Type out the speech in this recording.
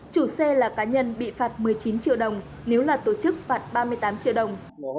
chủ xe là cá nhân bị phạt một mươi chín triệu đồng nếu là tổ chức phạt ba mươi tám triệu đồng